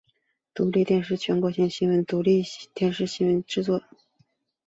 独立电视台的全国性新闻节目是由独立电视新闻制作。